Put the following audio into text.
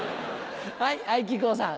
はい木久扇さん。